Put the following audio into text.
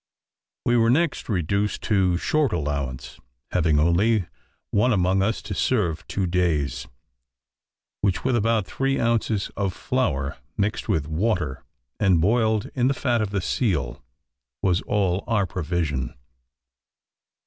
We were next reduced to short allowance, having only one among us to serve two days, which, with about three ounces of flour, mixed with water, and boiled in the fat of the seal, was all our provision.